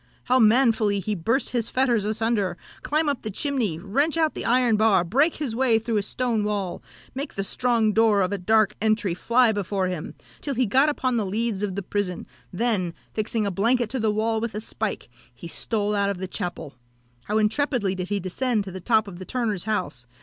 how manfully he burst his fetters asunder, climb up the chimney, wrench out an iron bar, break his way through a stone wall, make the strong door of a dark entry fly before him, till he got upon the leads of the prison, then, fixing a blanket to the wall with a spike, he stole out of the chapel! How intrepidly did he descend to the top of the turner's house!